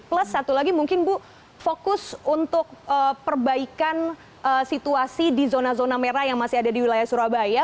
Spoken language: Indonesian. plus satu lagi mungkin bu fokus untuk perbaikan situasi di zona zona merah yang masih ada di wilayah surabaya